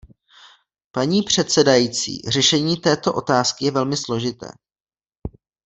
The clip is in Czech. Paní předsedající, řešení této otázky je velmi složité.